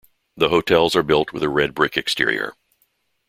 The hotels are built with a red brick exterior.